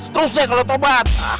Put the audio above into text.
seterusnya kalau tobat